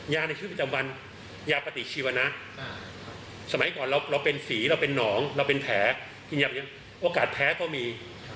ในชีวิตประจำวันยาปฏิชีวนะสมัยก่อนเราเป็นสีเราเป็นหนองเราเป็นแผลโอกาสแพ้ก็มี